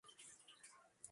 Takashi Matsuyama